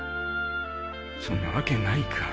そんなわけないか